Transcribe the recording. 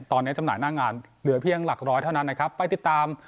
ตอนนี้จำหน่ายหน้างานเหลือเพียงหลักร้อยเท่านั้นนะครับไปติดตาม